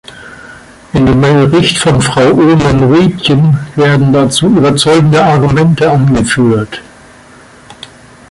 In dem Bericht von Frau Oomen-Ruijten werden dazu überzeugende Argumente angeführt.